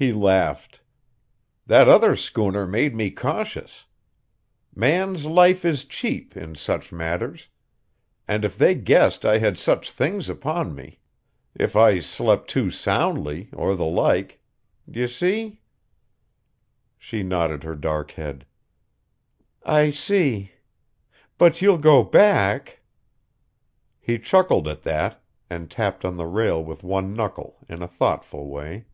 He laughed. "That other schooner made me cautious. Man's life is cheap, in such matters. And if they guessed I had such things upon me.... If I slept too soundly, or the like.... D'ye see?" She nodded her dark head. "I see. But you'll go back...." He chuckled at that, and tapped on the rail with one knuckle, in a thoughtful way.